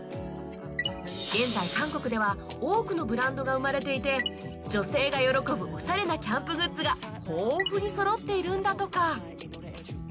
現在韓国では多くのブランドが生まれていて女性が喜ぶおしゃれなキャンプグッズが豊富にそろっているんだとか